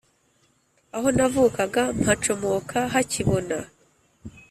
aho navukaga mpacomoka hakibona